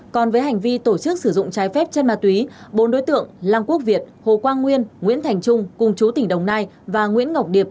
còn với hành vi tổ chức sử dụng trái phép chân ma túy bốn đối tượng lăng quốc việt hồ quang nguyên nguyễn thành trung cùng chú tỉnh đồng nai và nguyễn ngọc điệp